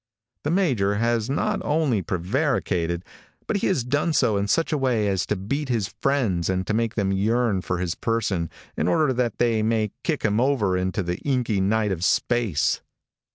The major has not only prevaricated, but he has done so in such a way as to beat his friends and to make them yearn for his person in order that they may kick him over into the inky night of space.